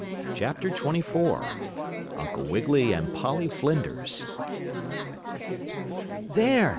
CHAPTER XXIV UNCLE WIGGILY AND POLLY FLINDERS "There!"